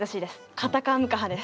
カタカムカハです。